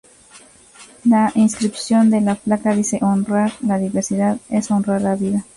La inscripción de la placa dice: "Honrar la diversidad es honrar la vida.